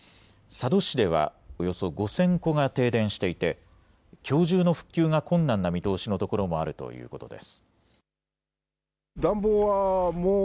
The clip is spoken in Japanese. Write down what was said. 佐渡市ではおよそ５０００戸が停電していてきょう中の復旧が困難な見通しのところもあるということです。